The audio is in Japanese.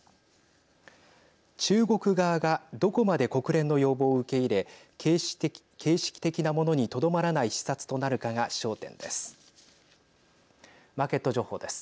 中国側がどこまで国連の要望を受け入れ形式的なものにとどまらない視察となるかが焦点です。